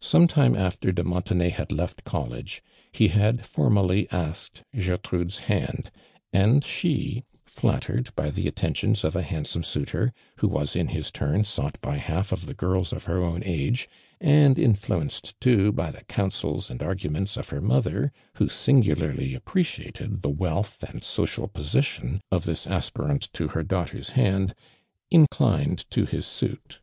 Some time aftei' do Montenay had left College, he had I'ormally askeil (lertrutle's li<ind, and she. H;ittered by the attentions of a liandsome suitor, who was in his tuni sought by half of the girls of her own age, and influenced too by the counsels and arguments of her motlier, who singularly appreciated the wealth and social position of this aspirant to her daughter's hand, inclined to his suit.